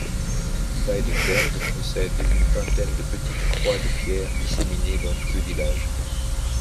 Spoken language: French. Deidenberg possède une vingtaine de petites croix de pierre disséminées dans tout le village.